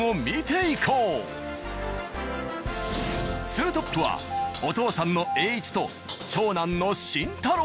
ツートップはお父さんの栄一と長男の慎太郎。